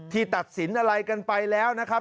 ตัดสินอะไรกันไปแล้วนะครับ